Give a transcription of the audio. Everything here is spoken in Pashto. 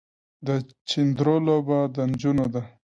د چيندرو لوبه د نجونو ده.